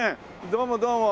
どうもどうも。